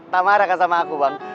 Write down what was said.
tak marah kan sama aku bang